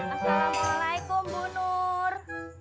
assalamu'alaikum bu nur